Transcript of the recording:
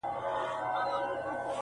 کلیو څخه مې لیدنه کړې ده